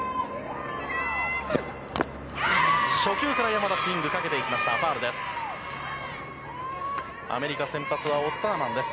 初球から山田、スイングかけていました、ファウルです。